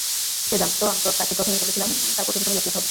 সে জানতো, আমি তাকে প্রথমেই বলেছিলাম তার প্রসবের সময় জটিলতা হবে।